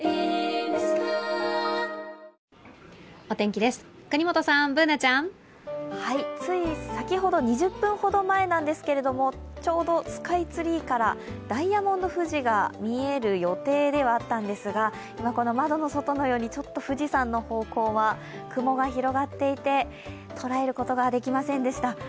お天気です、國本さん、Ｂｏｏｎａちゃん。つい先ほど、２０分ほど前なんですけれども、ちょうどスカイツリーからダイヤモンド富士が見える予定ではあったんですが今、この窓の外のように富士山の方向は雲が広がっていて、捉えることはできませんでした。